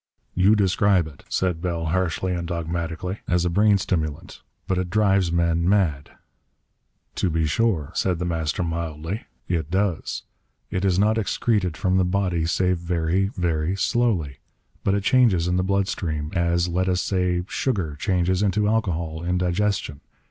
"You describe it," said Bell harshly and dogmatically, "as a brain stimulant. But it drives men mad." "To be sure," said The Master mildly. "It does. It is not excreted from the body save very, very slowly. But it changes in the blood stream. As let us say sugar changes into alcohol in digestion.